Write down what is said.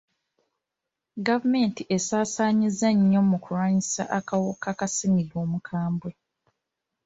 Gavumenti esaasaanyizza nnyo mu kulwanyisa akawuka ka ssenyiga omukambwe.